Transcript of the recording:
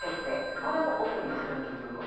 これをオフにするということ。